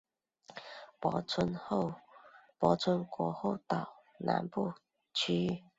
泊村国后岛南部区域。